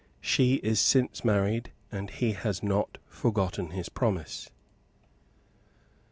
She is since married, and he has not forgotten his promise.